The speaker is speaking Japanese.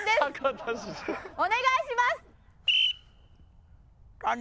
お願いします！